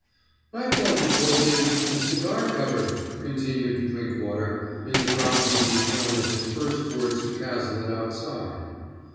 "I thought you told me this was a cigar cupboard?" continued Drinkwater, in the browbeating tone of his first words to Cazalet outside.